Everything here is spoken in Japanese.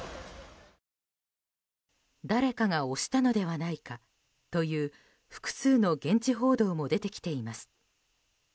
誰かが押したのではないかという複数の現地報道も出てきています。